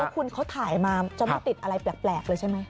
คุณเขาถ่ายมาจะไม่ติดอะไรแปลกเลยใช่ไหม